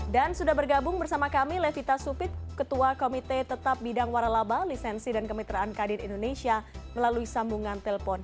dan sudah bergabung bersama kami levita supit ketua komite tetap bidang waralaba lisensi dan kementerian kadir indonesia melalui sambungan telpon